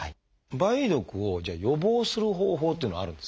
梅毒をじゃあ予防する方法というのはあるんですか？